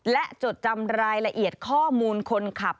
และจดจำรายละเอียดข้อมูลคนขับ